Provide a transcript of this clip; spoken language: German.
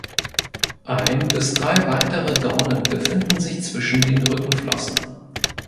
Ein bis drei weitere Dornen befinden sich zwischen den Rückenflossen.